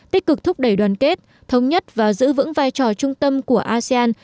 tích cực thúc đẩy đoàn kết thống nhất và giữ vững vai trò trung tâm của asean